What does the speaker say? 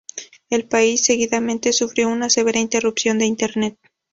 El país seguidamente sufrió una severa interrupción de internet.